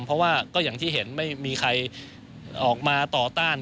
เพราะว่าก็อย่างที่เห็นไม่มีใครออกมาต่อต้าน